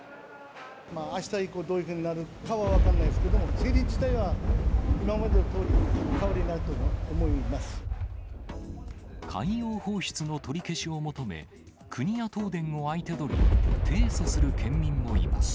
あした以降、どういうふうになるか分からないですけれども、競り自体は今までのとおり、海洋放出の取り消しを求め、国や東電を相手取り、提訴する県民もいます。